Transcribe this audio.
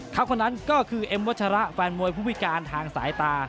เขาคนนั้นก็คือเอ็มวัชระแฟนมวยผู้พิการทางสายตา